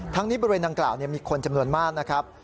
นี้บริเวณดังกล่าวมีคนจำนวนมากนะครับ